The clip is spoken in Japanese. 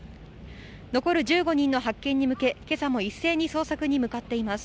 残る１５人の発見に向け、けさも一斉に捜索に向かっています。